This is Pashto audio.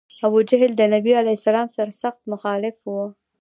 ابوجهل د نبي علیه السلام سر سخت مخالف و.